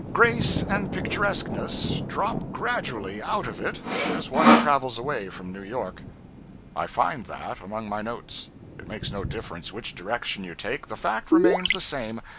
Grace and picturesqueness drop gradually out of it as one travels away from New York.' I find that among my notes. It makes no difference which direction you take, the fact remains the same.